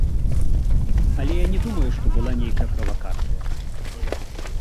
Але я не думаю, што была нейкая правакацыя.